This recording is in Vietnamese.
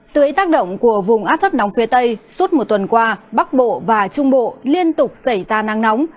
dưới tác động của vùng áp thấp nóng phía tây suốt một tuần qua bắc bộ và trung bộ liên tục xảy ra nắng nóng